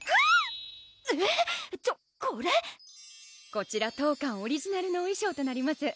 こちら当館オリジナルのお衣装となります